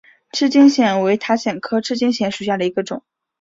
赤茎藓为塔藓科赤茎藓属下的一个种。